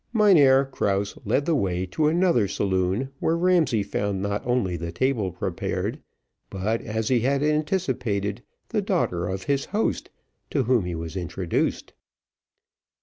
Mynheer Krause led the way to another saloon, where Ramsay found not only the table prepared, but, as he had anticipated, the daughter of his host, to whom he was introduced.